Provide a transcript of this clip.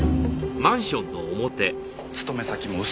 勤め先も嘘。